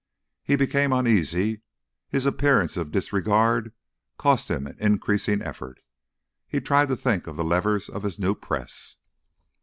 He became uneasy. His appearance of disregard cost him an increasing effort. He tried to think of the levers of his new press.